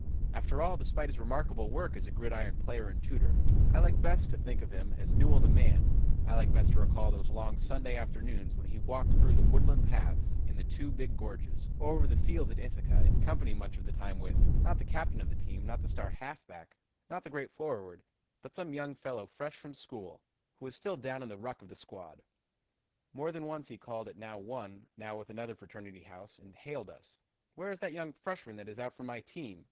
"After all, despite his remarkable work as a gridiron player and tutor, I like best to think of him as Newell, the man; I like best to recall those long Sunday afternoons when he walked through the woodland paths in the two big gorges, or over the fields at Ithaca in company much of the time with not the captain of the team, not the star halfback, not the great forward, but some young fellow fresh from school who was still down in the ruck of the squad. More than once he called at now one, now another fraternity house and hailed us: 'Where is that young freshman that is out for my team?